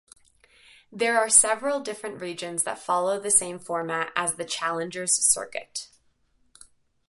There are several different regions that follow the same format as the Challengers Circuit.